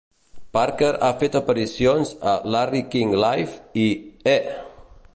Parker ha fet aparicions a "Larry King Live" i E!